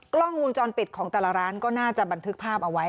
กล้องวงจรปิดของแต่ละร้านก็น่าจะบันทึกภาพเอาไว้